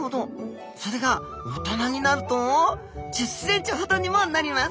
それが大人になると１０ｃｍほどにもなります。